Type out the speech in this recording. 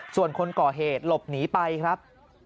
ส่วนคนก่อเหตุหลบหนีไปครับ